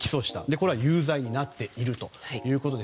これは有罪になっているということで